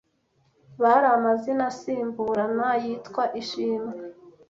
bari amazina asimburana yitwa Ishimwe